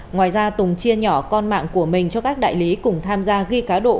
ngoài ra tùng chia nhỏ con mạng của mình cho các đại lý cùng tham gia ghi cá độ